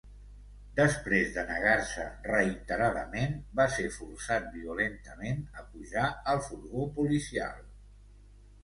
Després de negar-se reiteradament, va ser forçat violentament a pujar al furgó policial.